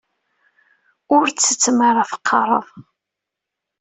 Ur ttett mi ara teqqareḍ.